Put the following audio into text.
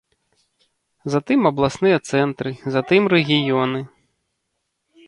Затым абласныя цэнтры, затым рэгіёны.